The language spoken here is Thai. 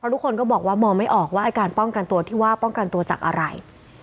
ทุกคนก็บอกว่ามองไม่ออกว่าไอ้การป้องกันตัวที่ว่าป้องกันตัวจากอะไร